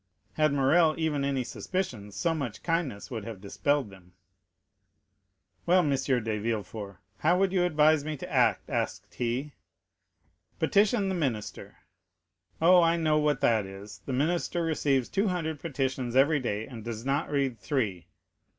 Had Morrel even any suspicions, so much kindness would have dispelled them. "Well, M. de Villefort, how would you advise me to act?" asked he. "Petition the minister." "Oh, I know what that is; the minister receives two hundred petitions every day, and does not read three."